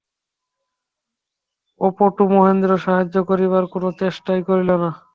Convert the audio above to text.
অপটু মহেন্দ্র সাহায্য করিবার কোনো চেষ্টাও করিল না।